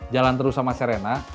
jalan terus sama sirena